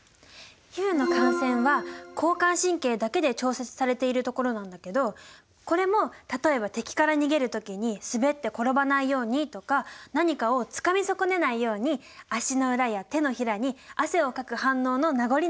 皮膚の汗腺は交感神経だけで調節されている所なんだけどこれも例えば敵から逃げるときに滑って転ばないようにとか何かをつかみ損ねないように足の裏や手のひらに汗をかく反応の名残なんていわれてるんだよ！